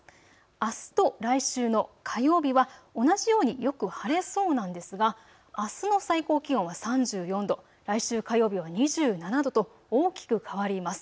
あすと来週の火曜日は同じようによく晴れそうなんですがあすの最高気温は３４度、来週火曜日は２７度と大きく変わります。